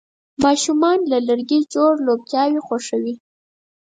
ماشومان له لرګي جوړ لوبتیاوې خوښوي.